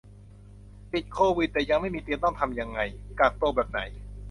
ติดโควิดแต่ยังไม่มีเตียงต้องทำยังไง กักตัวแบบไหน